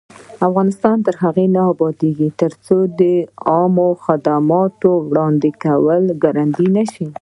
افغانستان تر هغو نه ابادیږي، ترڅو د عامه خدماتو وړاندې کول ګړندی نشي.